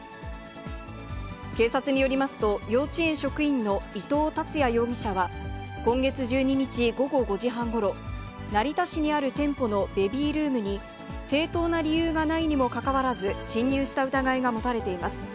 警察によりますと、幼稚園職員の伊藤達也容疑者は、今月１２日午後５時半ごろ、成田市にある店舗のベビールームに、正当な理由がないにもかかわらず、侵入した疑いが持たれています。